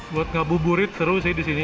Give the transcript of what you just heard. buat ngabuburit seru sih di sini